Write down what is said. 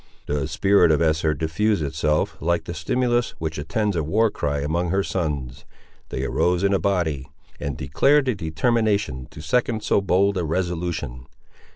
The spirit of Esther diffused itself, like the stimulus which attends a war cry, among her sons. They arose in a body, and declared their determination to second so bold a resolution.